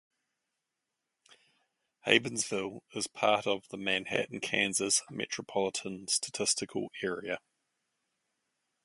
Havensville is part of the Manhattan, Kansas Metropolitan Statistical Area.